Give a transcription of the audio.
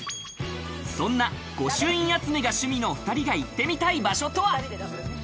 そんな御朱印集めが趣味な２人の行ってみたい場所とは？